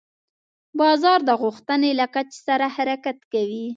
بازار د غوښتنې له کچې سره حرکت کوي.